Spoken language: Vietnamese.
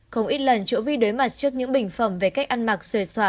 không ít lần triệu vi đối mặt trước những bình phẩm về cách ăn mặc sề sỏa